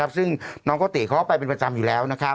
ซึ่งน้องโกติเขาก็ไปเป็นประจำอยู่แล้ว